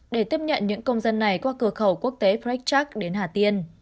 để tiếp nhận những công dân này qua cửa khẩu quốc tế prechak đến hà tiên